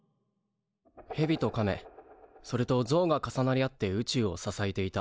ヘビとカメそれとゾウが重なり合って宇宙を支えていた。